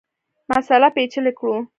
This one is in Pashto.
مسأله پېچلې کړو.